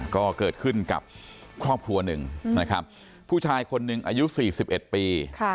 ก็เกิดขึ้นกับครอบครัวหนึ่งนะครับผู้ชายคนหนึ่งอายุ๔๑ปี